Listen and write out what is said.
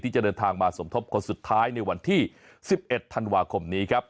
จะเดินทางมาสมทบคนสุดท้ายในวันที่๑๑ธันวาคมนี้ครับ